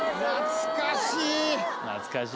懐かしい！